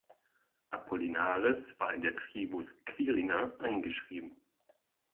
Apollinaris war in der Tribus "Quirina" eingeschrieben.